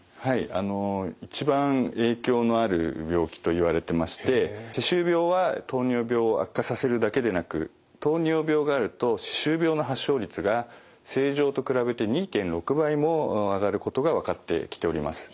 あの一番影響のある病気といわれてまして歯周病は糖尿病を悪化させるだけでなく糖尿病があると歯周病の発症率が正常と比べて２．６倍も上がることが分かってきております。